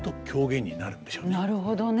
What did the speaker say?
なるほどね。